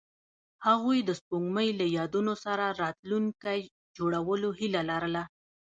هغوی د سپوږمۍ له یادونو سره راتلونکی جوړولو هیله لرله.